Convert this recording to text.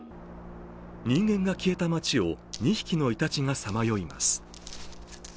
人間が消えた街を２匹のいたちがさまよいます。